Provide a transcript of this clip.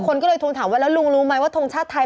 คนก็เลยทวงถามว่าแล้วลุงรู้ไหมว่าทงชาติไทย